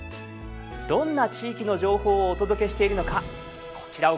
どんな地域の情報をお届けしているのかこちらをご覧下さい。